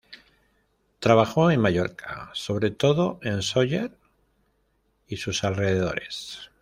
Trabajó en Mallorca, sobre todo en Sóller y sus alrededores.